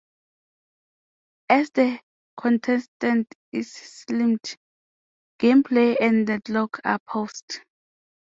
As the contestant is slimed, gameplay and the clock are paused.